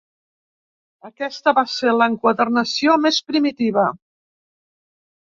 Aquesta va ser l'enquadernació més primitiva.